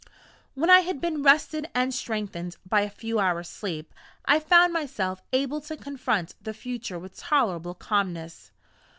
When I had been rested and strengthened by a few hours' sleep, I found myself able to confront the future with tolerable calmness.